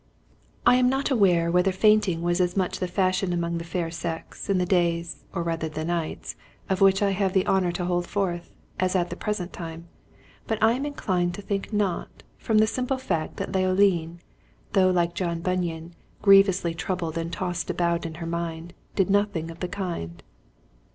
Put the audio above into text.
I am not aware whether fainting was as much the fashion among the fair sex, in the days (or rather the nights) of which I have the honor to hold forth, as at the present time; but I am inclined to think not, from the simple fact that Leoline, though like John Bunyan, "grievously troubled and tossed about in her mind," did nothing of the kind.